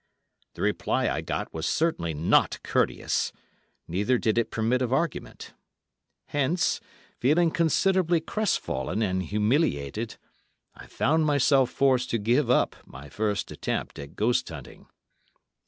The reply I got was certainly not courteous, neither did it permit of argument. Hence, feeling considerably crestfallen and humiliated, I found myself forced to give up my first attempt at ghost hunting.